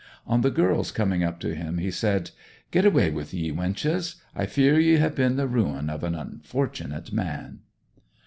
On the girls coming up to him he said, 'Get away with ye, wenches: I fear you have been the ruin of an unfortunate man!'